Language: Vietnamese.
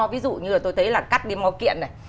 ví dụ như là tôi thấy là cắt đi mò kiện này